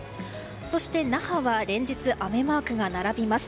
そして、那覇は連日、雨マークが並びます。